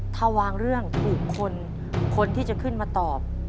ถ้าวางเรื่องถูกคนคนที่จะขึ้นมาตอบ